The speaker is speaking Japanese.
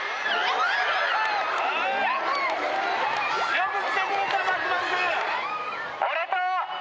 よく来てくれた松丸君！